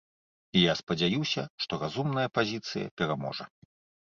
І я спадзяюся, што разумная пазіцыя пераможа.